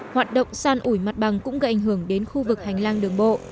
hoạt động san ủi mặt bằng cũng gây ảnh hưởng đến khu vực hành lang đường bộ